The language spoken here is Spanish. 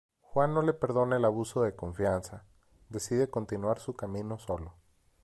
Juan no le perdona el abuso de confianza, decide continuar su camino solo.